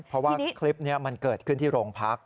เพราะว่าคลิปนี้มันเกิดขึ้นที่โรงพัก